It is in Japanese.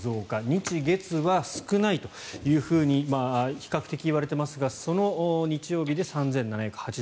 日月は少ないというふうに比較的言われていますがその日曜日で３７８８人。